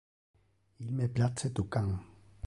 Il me place tu can.